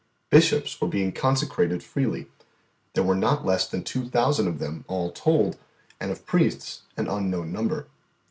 Bishops were being consecrated freely; there were not less than two thousand of them all told, and of priests an unknown number.